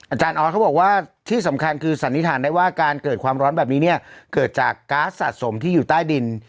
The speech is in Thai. อาจารย์ออสเขาบอกว่าที่สำคัญคือสันนิษฐานได้ว่าการเกิดความร้อนแบบนี้เนี่ยเกิดจากก๊าซสะสมที่อยู่ใต้ดิน